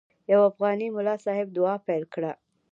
یو افغاني ملا صاحب دعا پیل کړه.